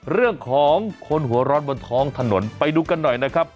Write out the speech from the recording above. เรื่องของคนหัวร้อนบนท้องถนนไปดูกันหน่อยนะครับ